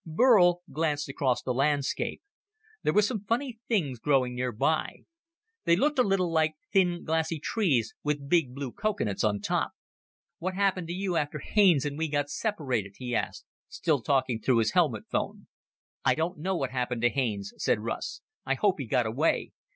Burl glanced across the landscape. There were some funny things growing nearby. They looked a little like thin, glassy trees with big, blue coconuts on top. "What happened to you and Haines after we got separated?" he asked, still talking through his helmet phone. "I don't know what happened to Haines," said Russ. "I hope he got away.